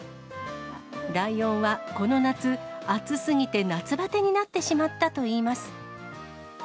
ライオンはこの夏、暑すぎて夏バテになってしまったといいます。